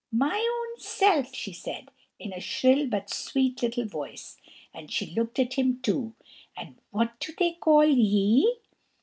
"My own self," she said in a shrill but sweet little voice, and she looked at him too. "And what do they call ye?"